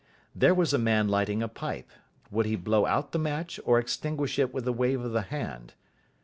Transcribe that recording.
There was a man lighting a pipe. Would he blow out the match or extinguish it with a wave of the hand?